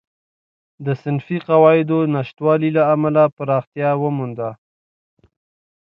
د صنفي قواعدو نشتوالي له امله پراختیا ومونده.